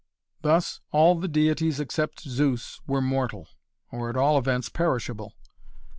Thus all the deities except Zeus were mortal, or at all events, perishable.